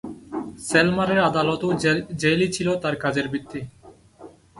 সেলমারের আদালত ও জেলই ছিল তার কাজের ভিত্তি।